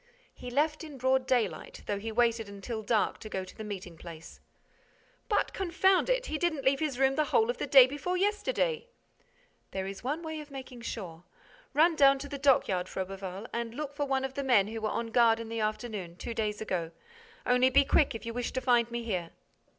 "He left in broad daylight, though he waited until dark to go to the meeting place." "But, confound it, he didn't leave his room the whole of the day before yesterday!" "There is one way of making sure: run down to the dockyard, Froberval, and look for one of the men who were on guard in the afternoon, two days ago.—Only, be quick, if you wish to find me here."